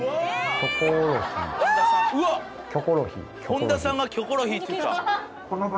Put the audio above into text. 「本田さんが『キョコロヒー』って言った」